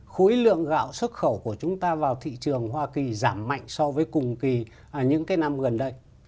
khối lượng gạo xuất khẩu của chúng ta vào thị trường hoa kỳ giảm mạnh so với cùng kỳ những cái năm gần đây